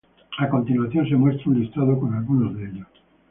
A continuación, se muestra un listado con algunos de ellos.